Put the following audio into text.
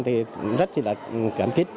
thì rất là cảm thích